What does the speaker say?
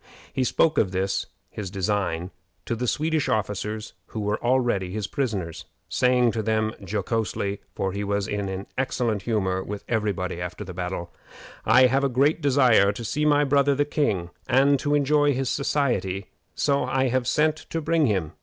He spoke of this his design to the Swedish officers who were already his prisoners, saying to them jocosely, for he was in excellent humor with every body after the battle, "I have a great desire to see my brother the king, and to enjoy his society; so I have sent to bring him.